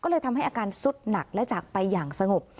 ก็เลยทำให้อาการสุดหนักและจากไปอย่างสงบ